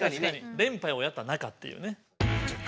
連杯をやったなかっていうね。